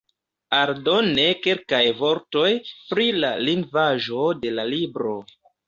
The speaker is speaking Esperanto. Aldone kelkaj vortoj pri la lingvaĵo de la libro.